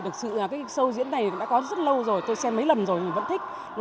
thực sự cái show diễn này đã có rất lâu rồi tôi xem mấy lần rồi vẫn thích